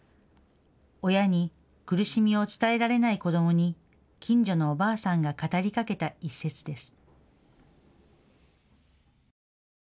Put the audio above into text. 親に苦しみを伝えられない子どもに近所のおばあさんが語りかけた一節です。